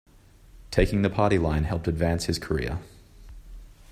"Taking the party line" helped advance his career.